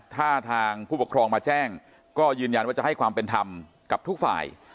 ถ้าทางผู้ปกครองมาแจ้งก็ยืนยันว่าจะให้ความเป็นธรรมกับทุกฝ่าย